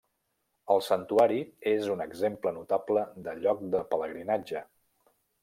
El santuari és un exemple notable de lloc de pelegrinatge.